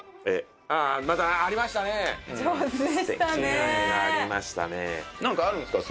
素敵な絵がありましたね。